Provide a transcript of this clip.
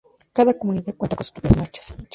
Cada comunidad cuenta con sus propias marchas.